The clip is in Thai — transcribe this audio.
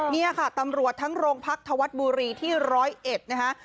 นี่ค่ะตำรวจทั้งโรงพักธวัฒน์บุรีที่๑๐๑นะคะ